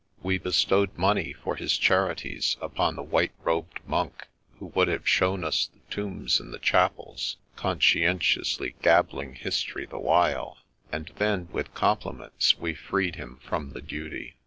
We bestowed money for his charities upon the white robed monk who would have shown us the tombs and the chapels, conscientiously gab bling history the while ; and then, with compliments, we freed him from the duty.